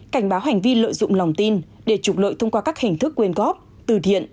cảnh báo hành vi lợi dụng lòng tin để trục lợi thông qua các hình thức quyền góp từ thiện